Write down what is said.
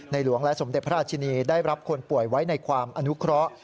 หลวงและสมเด็จพระราชินีได้รับคนป่วยไว้ในความอนุเคราะห์